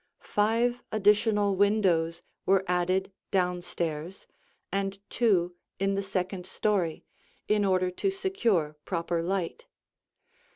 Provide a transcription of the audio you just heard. Five additional windows were added down stairs and two in the second story, in order to secure proper light.